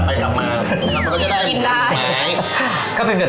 แล้วอยากรู้เหมือนกันว่า